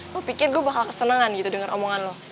aku pikir gue bakal kesenangan gitu denger omongan lo